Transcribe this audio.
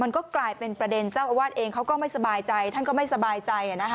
มันก็กลายเป็นประเด็นเจ้าอาวาสเองเขาก็ไม่สบายใจท่านก็ไม่สบายใจ